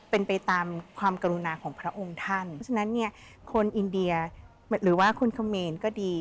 เป็นไปตามความกรุณาของพระองค์ท่านเพราะฉะนั้นเนี่ยคนอินเดียหรือว่าคุณเขมรก็ดี